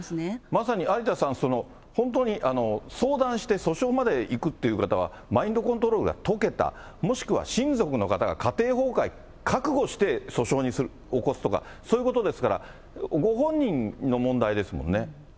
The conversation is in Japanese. まさに有田さん、本当に相談して、訴訟までいくという方はマインドコントロールがとけた、もしくは親族の方が家庭崩壊、覚悟して訴訟を起こすとか、そういうことですから、ご本人の問題ですもんね。